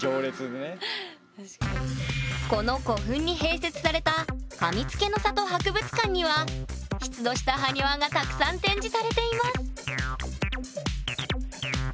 この古墳に併設されたかみつけの里博物館には出土した埴輪がたくさん展示されています